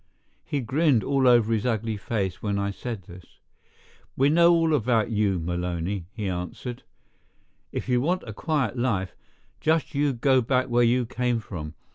He grinned all over his ugly face when I said this. "We know all about you, Maloney," he answered. "If you want a quiet life, just you go back where you came from.